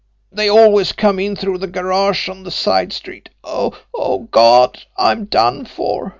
They always come in through the garage on the side street. Oh, God, I'm done for!